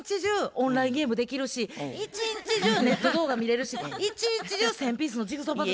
オンラインゲームできるし一日中ネット動画見れるし一日中１，０００ピースのジグソーパズル。